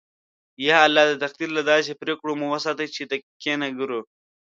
یا الله! د تقدیر له داسې پرېکړو مو وساتې چې د کینه گرو